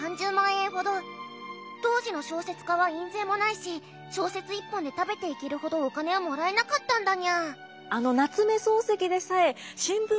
当時の小説家は印税もないし小説一本で食べていけるほどお金をもらえなかったんだにゃ。